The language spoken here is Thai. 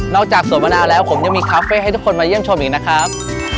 จากสวนมะนาวแล้วผมยังมีคาเฟ่ให้ทุกคนมาเยี่ยมชมอีกนะครับ